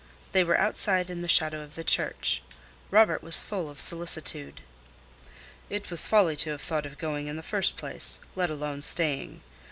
They were outside in the shadow of the church. Robert was full of solicitude. "It was folly to have thought of going in the first place, let alone staying.